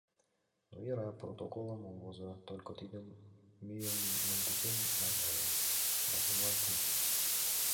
— Ну, йӧра, протоколым ом возо, только тиде мӱйым мый декем наҥгае, ватемлан пу.